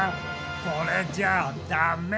これじゃあダメ！